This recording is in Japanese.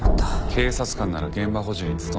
警察官なら現場保持に努めるべきだ。